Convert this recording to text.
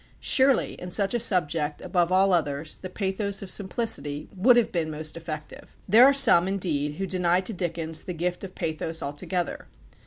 Surely in such a subject, above all others, the pathos of simplicity would have been most effective. There are some, indeed, who deny to Dickens the gift of pathos altogether.